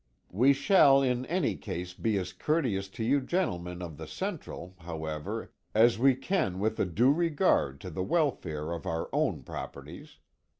We shall in any case be as courteous to you gentlemen of the Central, however, as we can with a due regard to the welfare of our own properties.